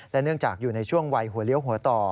เนื่องจากอยู่ในช่วงวัยหัวเลี้ยวหัวต่อ